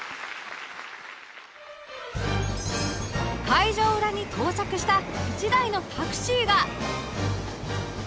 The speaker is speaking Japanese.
会場裏に到着した１台のタクシーが！